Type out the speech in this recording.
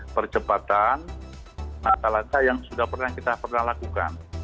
percepatan natalata yang sudah kita pernah lakukan